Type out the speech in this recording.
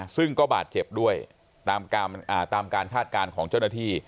ซึ่งก็บาดเจ็บด้วยตามการคาดการณ์ของเจ้าหน้าที่